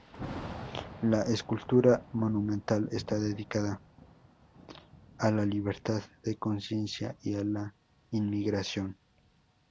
La escultura monumental está dedicada a la libertad de conciencia y a la inmigración.